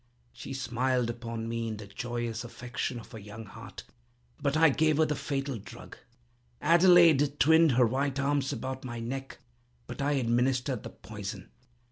She smiled upon me in the joyous affection of her young heart—but I gave her the fatal drug! Adelaide twined her white arms about my neck, but I administered the poison!